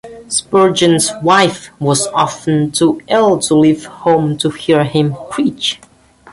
Spurgeon's wife was often too ill to leave home to hear him preach.